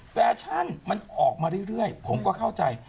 แฟชั่นมันออกมาเรื่อยผมก็เข้าใจ